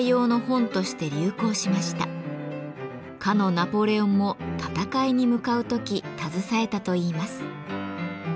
かのナポレオンも戦いに向かう時携えたといいます。